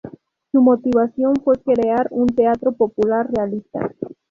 Su motivación fue crear un teatro popular realista.